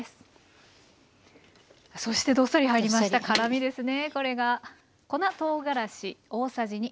そしてどっさり入りました辛みですね。